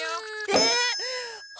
えっ！？